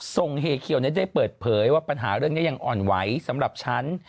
เฮเขียวได้เปิดเผยว่าปัญหาเรื่องนี้ยังอ่อนไหวสำหรับฉัน